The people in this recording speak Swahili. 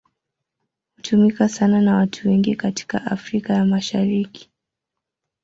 Hutumika sana na watu wengi katika Afrika ya Mashariki.